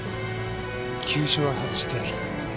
急所は外してある。